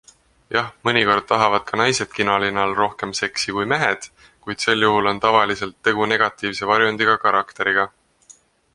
Jah, mõnikord tahavad ka naised kinolinal rohkem seksi kui mehed, kuid sel juhul on tavaliselt tegu negatiivse varjundiga karakteriga.